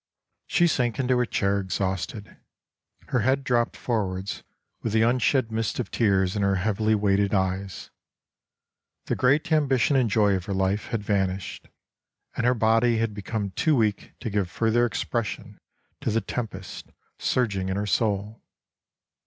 She sank into her chair exhausted, her head dropped forwards with the unshed mist of tears in her heavily weighted eyes. The great ambition and joy of her life had vanished, and her body had become too weak to give further expression to the tempest, surging in her soul.